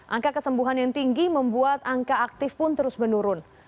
angka kesembuhan yang tinggi membuat angka aktif pun terus menurun